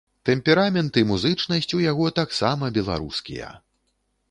Тэмперамент і музычнасць у яго таксама беларускія.